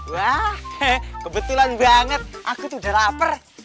wah kebetulan banget aku tuh udah lapar